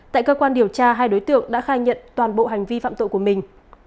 tại cơ quan điều tra hai đối tượng đã khai nhận toàn bộ hành vi phạm tội của mình